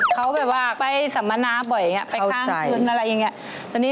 เขาไปสัมมณาบ่อยน่ะนะเขาจะกลั้นอะไรอย่างนี้